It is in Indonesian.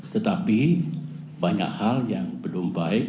tetapi banyak hal yang belum baik